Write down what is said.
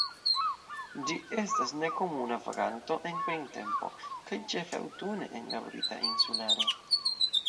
Ĝi estas nekomuna vaganto en printempo kaj ĉefe aŭtune en la Brita Insularo.